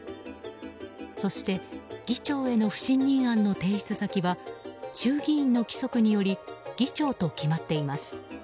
そして議長への不信任案の提出先は衆議院の規則により議長と決まっています。